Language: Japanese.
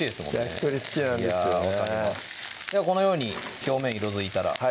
焼き鳥好きなんですよねではこのように表面色づいたらですね